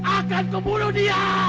aku akan membunuh dia